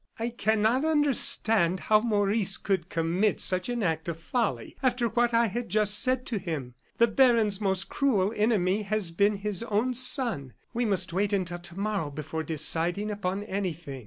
"I cannot understand how Maurice could commit such an act of folly after what I had just said to him. The baron's most cruel enemy has been his own son. We must wait until to morrow before deciding upon anything."